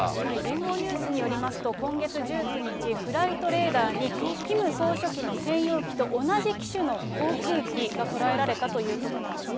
聯合ニュースによりますと、今月１９日、フライトレーダーに、キム総書記の専用機と同じ機種の航空機が捉えられたということなんですね。